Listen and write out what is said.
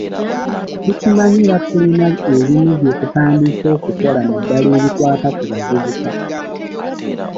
Tukimanyi era tulina ebimu byetutandise okukolako naddala ebikwata ku bavubuka.